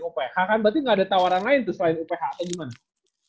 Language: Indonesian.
uph kan berarti nggak ada tawaran lain tuh selain uph atau gimana